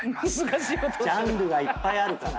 ジャンルがいっぱいあるから。